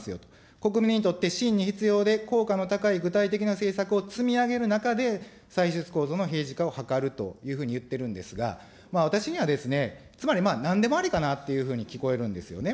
国民にとって真に必要で効果の高い具体的な政策を積み上げる中で、歳出構造のへいじ化を図るというふうに言ってるんですが、私にはですね、つまり、なんでもありかなっていうふうに聞こえるんですよね。